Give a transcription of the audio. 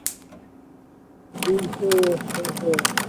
Abu Sufyan কোন জবাব না পেয়ে ঘোড়ার দিক পরিবর্তন করে।